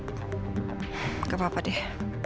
gak apa apa deh